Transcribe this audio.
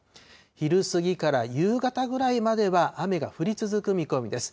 昼過ぎから夕方ぐらいまでは雨が降り続く見込みです。